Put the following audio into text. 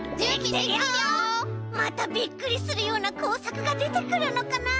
またびっくりするようなこうさくがでてくるのかな？